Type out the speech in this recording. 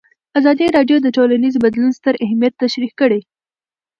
ازادي راډیو د ټولنیز بدلون ستر اهميت تشریح کړی.